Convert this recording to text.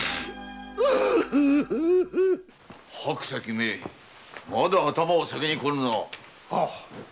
白石めまだ頭を下げに来ぬな。